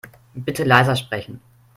Bitte leiser sprechen.